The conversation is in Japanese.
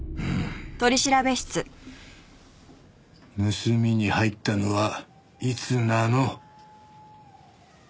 盗みに入ったのはいつなの？